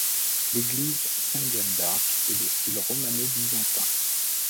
L'église Sainte-Jeanne-d'Arc est de style romano-byzantin.